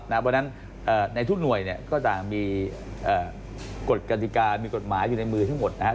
เพราะฉะนั้นในทุกหน่วยเนี่ยก็จะมีกฎกฎิกามีกฎหมายอยู่ในมือทั้งหมดนะครับ